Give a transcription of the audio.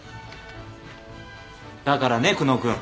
だからね久能君。